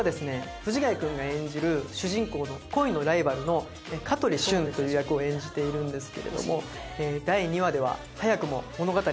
藤ヶ谷君が演じる主人公の恋のライバルの香取俊という役を演じているんですけれども第２話では早くも物語が急展開します。